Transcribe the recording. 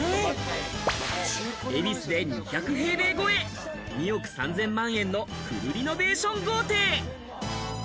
恵比寿で２００平米超え、２億３０００万円のフルリノベーション豪邸。